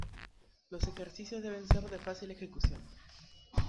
Los ejercicios deben ser de fácil ejecución.